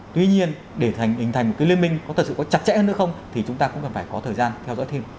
tuy nhiên để hình thành một cái liên minh có thật sự có chặt chẽ hơn nữa không thì chúng ta cũng cần phải có thời gian theo dõi thêm